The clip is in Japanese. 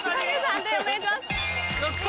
判定お願いします。